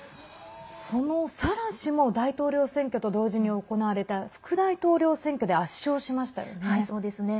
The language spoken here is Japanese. そのサラ氏も大統領選挙と同時に行われた副大統領選挙で圧勝しましたよね。